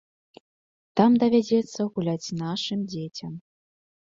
Там давядзецца гуляць нашым дзецям.